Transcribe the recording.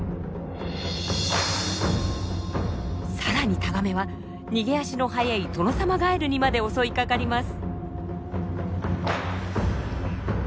さらにタガメは逃げ足の速いトノサマガエルにまで襲いかかります。